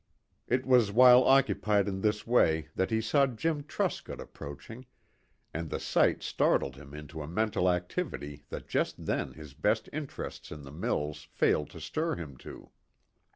It was while occupied in this way that he saw Jim Truscott approaching, and the sight startled him into a mental activity that just then his best interests in the mills failed to stir him to.